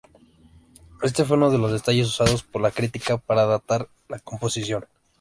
Este fue uno de los detalles usados por la crítica para datar la composición.